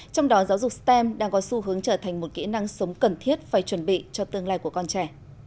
trong đó giáo dục stem đang có xu hướng trở thành một kỹ năng sống cần thiết phải chuẩn bị cho tương lai của con trẻ